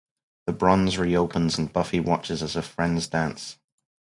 The Bronze re-opens, and Buffy watches as her friends dance.